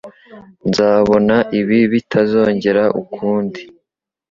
Nzabona ibi bitazongera ukundi.